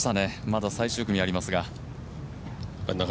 まだ最終組ありますが。